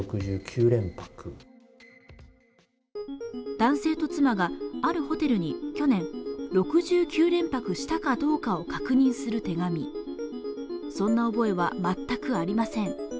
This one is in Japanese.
男性と妻があるホテルに去年６９連泊したかどうかを確認する手紙、そんな覚えは全くありません